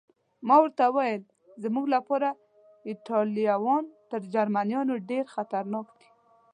ما ورته وویل: زموږ لپاره ایټالویان تر جرمنیانو ډېر خطرناک دي.